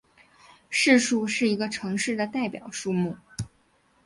市树是一个城市的代表树木。